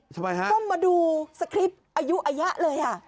กล้อมมาดูสคริปอายุอาหยะเลย